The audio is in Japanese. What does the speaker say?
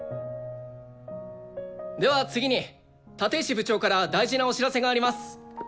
では次に立石部長から大事なお知らせがあります。